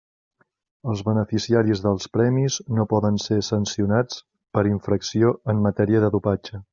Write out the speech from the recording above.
Els beneficiaris dels premis no poden ser sancionats per infracció en matèria de dopatge.